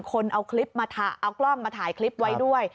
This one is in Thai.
คนเอาคลิปมาเอากล้องมาถ่ายคลิปไว้ด้วย